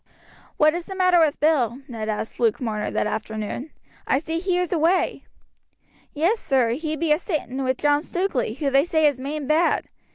"What is the matter with Bill?" Ned asked Luke Marner that afternoon. "I see he is away." "Yes, sir, he be a sitting with John Stukeley, who they say is main bad.